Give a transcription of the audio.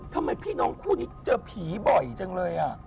ทำไมพี่น้องคู่นี้เจอผีบ่อยจังเลยอะส์